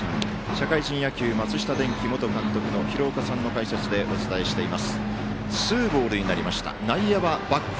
社会人野球松下電器元監督の廣岡さんの解説でお伝えしています。